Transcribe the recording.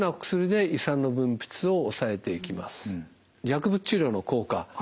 薬物治療の効果